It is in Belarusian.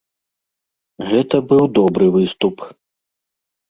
Гэта быў добры выступ.